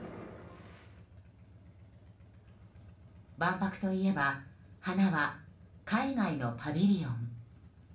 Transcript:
万博といえば華は海外のパビリオン。